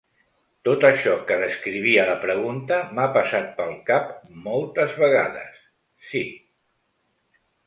Tot això que descrivia la pregunta m’ha passat pel cap moltes vegades, sí.